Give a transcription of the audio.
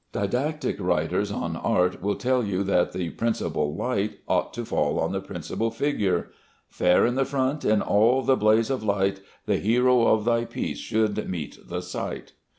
Didactic writers on art will tell you that the principal light ought to fall on the principal figure "Fair in the front in all the blaze of light, The hero of thy piece should meet the sight."